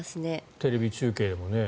テレビ中継でもね。